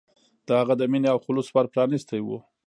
د هغه د مینې او خلوص ور پرانستی و.